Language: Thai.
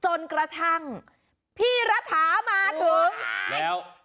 จนกระทั่งพี่รถามาถึง